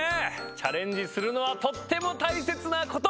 チャレンジするのはとってもたいせつなこと！